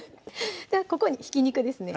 ここにひき肉ですね